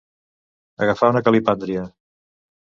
Agafar una calipàndria.